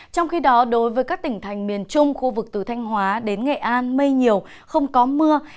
trong khi đó đối với các tỉnh thành miền trung khu vực từ thanh hóa đến nghệ an mây nhiều không có mưa